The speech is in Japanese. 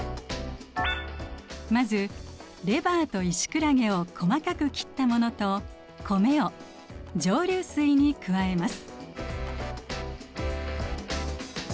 まずレバーとイシクラゲを細かく切ったものと米を蒸留水に加えます。